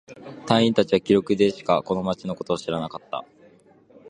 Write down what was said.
隊員達は記録でしかこの町のことを知らなかった。